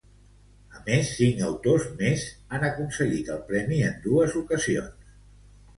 A més, cinc autors més han aconseguit el premi en dos ocasions.